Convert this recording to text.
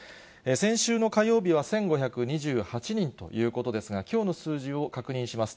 先週の火曜日は１５２８人ということですが、きょうの数字を確認します。